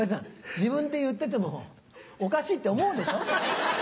自分で言っててもおかしいって思うでしょ？